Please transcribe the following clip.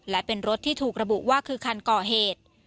และเป็นรถที่ถูกระบุว่าคือคันก่อเหตุ